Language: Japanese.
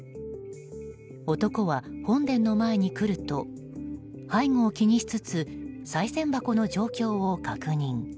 男は本殿の前に来ると背後を気にしつつさい銭箱の状況を確認。